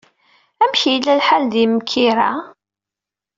Amek yella lḥal di Mkira?